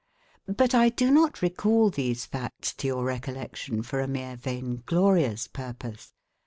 But I do not recall these facts to your recollection for a mere vainglorious purpose.